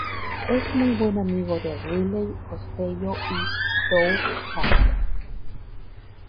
Es muy buen amigo de Riley Costello y Doug Carter.